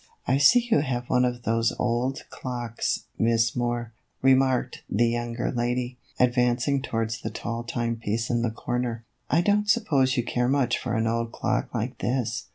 "I see you have one of those old clocks, Miss Moore," remarked the younger lady, advancing towards the tall timepiece in the corner. " I don't suppose you care much for an old clock like this.